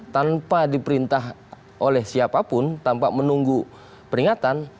tanpa diperintah oleh siapapun tanpa menunggu peringatan